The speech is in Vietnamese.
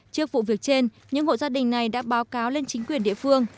trước vụ việc trên những hộ gia đình này đã báo cáo lên chính quyền địa phương